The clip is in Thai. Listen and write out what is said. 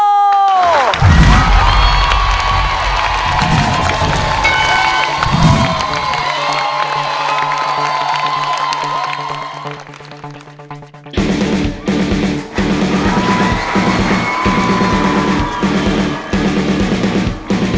โอ้วโอ้วโอ้วโอ้วโอ้ว